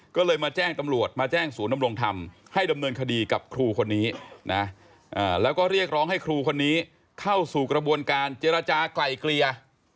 ก็เลยมาแจ้งตำรวจมาแจ้งศูนย์นำรงธรรมให้ดำเนินคดีกับครูคนนี้นะแล้วก็เรียกร้องให้ครูคนนี้เข้าสู่กระบวนการเจรจากลายเกลี่ย